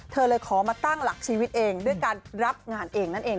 เธอเลยขอมาตั้งหลักชีวิตเองด้วยการรับงานเองนั่นเอง